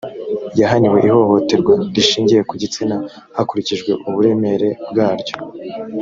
yahaniwe ihohoterwa rishingiye ku gitsina hakurikijwe uburemere bwaryo